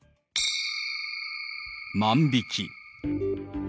万引き。